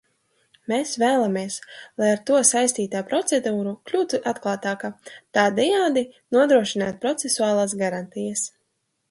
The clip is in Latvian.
Mēs vēlamies, lai ar to saistītā procedūra kļūtu atklātāka, tādējādi nodrošinot procesuālās garantijas.